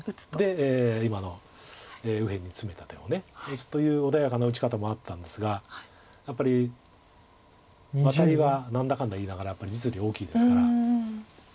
今の右辺にツメた手を打つという穏やかな打ち方もあったんですがやっぱりワタリはなんだかんだ言いながら実利大きいですから。